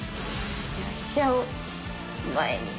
じゃあ飛車を前に。